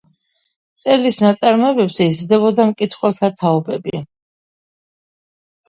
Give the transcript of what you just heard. მწერლის ნაწარმოებებზე იზრდებოდა მკითხველთა თაობები.